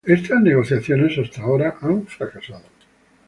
Estas negociaciones hasta ahora han fracasado.